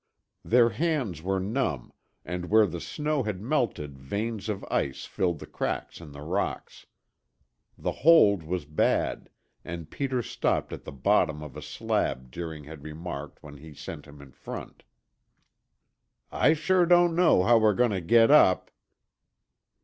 Their hands were numb and where the snow had melted veins of ice filled the cracks in the rocks. The hold was bad and Peter stopped at the bottom of a slab Deering had remarked when he sent him in front. "I sure don't know how we're going to get up."